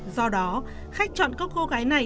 do đó khách chọn các cô gái này